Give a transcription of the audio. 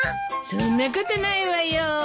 そんなことないわよ！